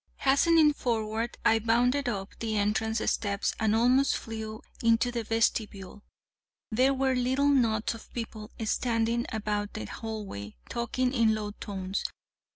Hastening forward I bounded up the entrance steps and almost flew into the vestibule. There were little knots of people standing about the hallway, talking in low tones.